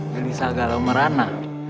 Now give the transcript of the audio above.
gelisah galau merana